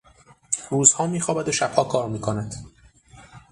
روزها میخوابد و شبها کار میکند.